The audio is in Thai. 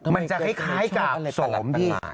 มันจะคล้ายคล้ายกับโสม